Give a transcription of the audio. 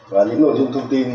và những nội dung thông tin